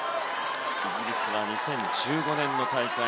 イギリスは２０１５年の大会